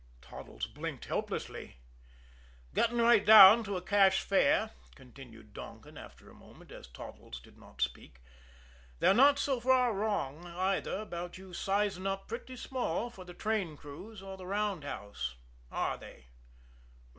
Toddles blinked helplessly. "Getting right down to a cash fare," continued Donkin, after a moment, as Toddles did not speak, "they're not so far wrong, either, about you sizing up pretty small for the train crews or the roundhouse, are they?"